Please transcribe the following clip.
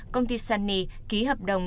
công ty sunny ký hợp đồng